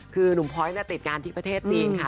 คือหนุ่มพลอยติดงานที่ประเทศจีนค่ะ